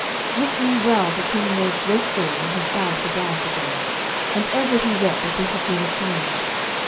Wit ye well the King made great joy when he found Sir Gareth again, and ever he wept as he had been a child.